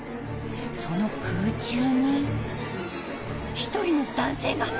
その空中に１人の男性が。